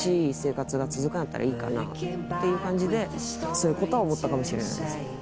そういうことは思ったかもしれないです。